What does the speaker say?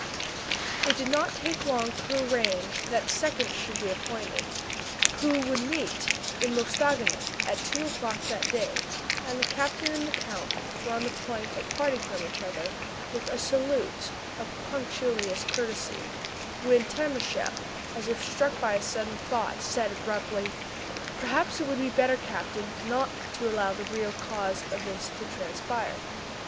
_ It did not take long to arrange that seconds should be appointed, who would meet in Mostaganem at two o'clock that day; and the captain and the count were on the point of parting from each other, with a salute of punctilious courtesy, when Timascheff, as if struck by a sudden thought, said abruptly: "Perhaps it would be better, captain, not to allow the real cause of this to transpire?"